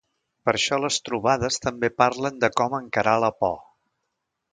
Per això a les trobades també parlen de com encarar la por.